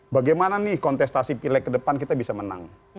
bagaimana nih kontestasi pilek ke depan kita bisa menang